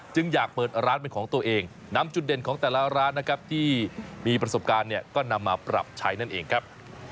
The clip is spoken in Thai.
อยากเปิดร้านเป็นของตัวเองนำจุดเด่นของแต่ละร้านนะครับที่มีประสบการณ์เนี่ยก็นำมาปรับใช้นั่นเองครับ